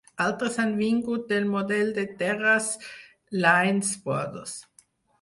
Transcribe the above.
Altres han vingut del model de terres Lines Brothers.